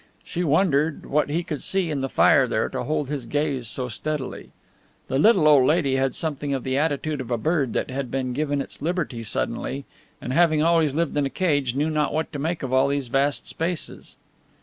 She wondered what he could see in the fire there to hold his gaze so steadily. The little old lady had something of the attitude of a bird that had been given its liberty suddenly, and having always lived in a cage knew not what to make of all these vast spaces.